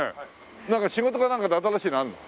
なんか仕事かなんかで新しいのあるの？